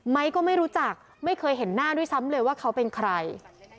ก็ไม่รู้จักไม่เคยเห็นหน้าด้วยซ้ำเลยว่าเขาเป็นใคร